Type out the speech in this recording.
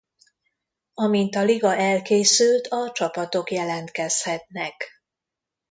Amint a liga elkészült a csapatok jelentkezhetnek.